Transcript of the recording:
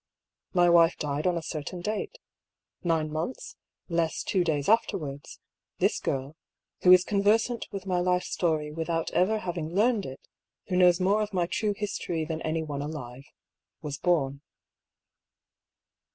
" My wife died on a certain date. Nine months, less two days afterwards, this girl, who is conversant with my life story without ever having learned it, who kuows more of my true history than any one alive, was born."